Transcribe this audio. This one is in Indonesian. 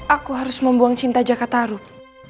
aku harus membuang cinta jakarta arup